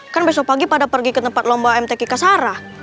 kan besok pagi pada pergi ke tempat lomba mtksara